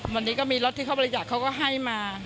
วันนี้ก็มีรถที่เขาบริจาคเขาก็ให้มา